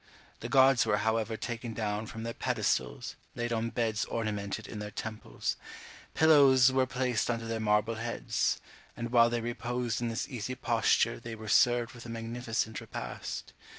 The gods were however taken down from their pedestals, laid on beds ornamented in their temples; pillows were placed under their marble heads; and while they reposed in this easy posture they were served with a magnificent repast.